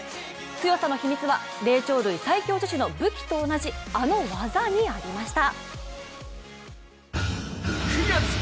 強さの秘密は霊長類最強女子の武器と同じあの技にありました。